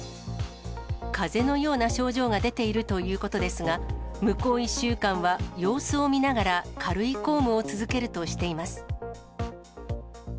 かぜのような症状が出ているということですが、向こう１週間は様子を見ながら、軽い公務を続けるとしています。